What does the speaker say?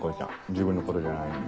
自分のことじゃないのに。